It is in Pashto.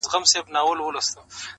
پخوانيو زمانو كي يو لوى ښار وو.!